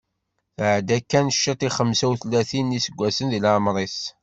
Tɛedda kan ciṭ i xemsa utlatin n yiseggasen di leɛmer-is.